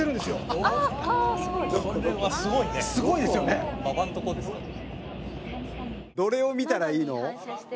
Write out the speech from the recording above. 「すごいですよね」どれを見たらいいの？